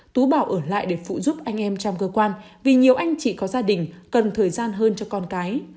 tú bảo ở lại để phụ giúp anh em trong cơ quan vì nhiều anh chị có gia đình cần thời gian hơn cho con cái